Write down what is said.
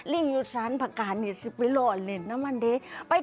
ลิ่งอยู่สารพระการนี่สิไปหล่อเล่นน้ำมันดี